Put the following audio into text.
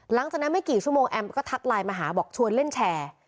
หลังจากนั้นไม่กี่ชั่วโมงแอมก็ทักไลน์มาหาบอกชวนเล่นแชร์